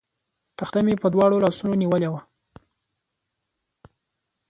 تخته مې په دواړو لاسونو نیولې وه.